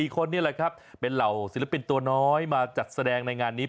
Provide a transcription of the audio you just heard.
คนนี่แหละครับเป็นเหล่าศิลปินตัวน้อยมาจัดแสดงในงานนี้